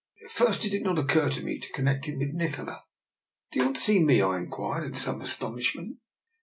At first it did not occur to me to connefct him with Nikola. " Do you want to see me? " I inquired, in some astonishment.